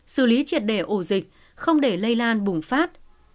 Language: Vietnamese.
xử lý triệt để ổ dịch không để lây lan bùng phát